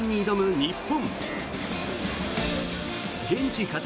日本！